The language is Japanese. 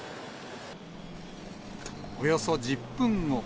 およそ１０分後。